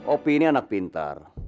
opie ini anak pintar